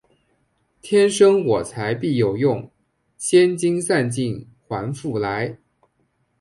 天生我材必有用，千金散尽还复来